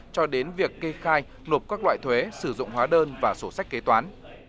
cho đến việc kê khai nộp các loại thuế sử dụng hóa đơn và sổ sách kế toán